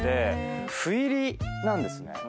斑入りなんですね。